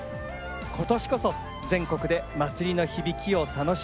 今年こそ全国でまつりの響きを楽しめますように。